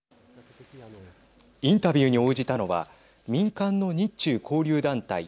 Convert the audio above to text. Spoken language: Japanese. インタビューに応じたのは民間の日中交流団体